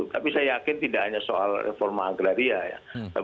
tapi saya yakin tidak hanya soal reforma agraria ya